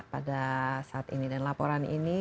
pada saat ini dan laporan ini